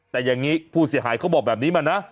แต่อย่างนี้ผู้เสียหายเขาบอกแบบนี้มานะ